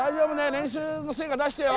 練習の成果出してよ。